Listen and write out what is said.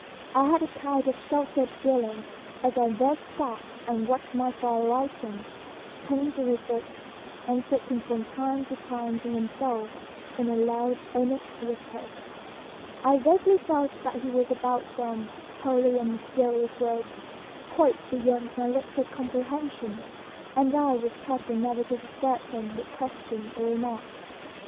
I had a kind of sheltered feeling as I thus sat and watched my father writing, turning to his books, and speaking from time to time to himself in a loud, earnest whisper. I vaguely felt that he was about some holy and mysterious work quite beyond my little comprehension, and I was careful never to disturb him by question or remark.